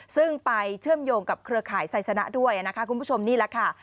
ซึ่งไปเชื่อมโยงกับเครือข่ายไซสนะด้วยนะคะคุณผู้ชมนี่แหละค่ะ